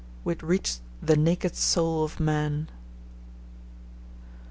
We had reached the naked soul of man.